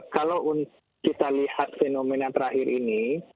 kalau kita lihat fenomena terakhir ini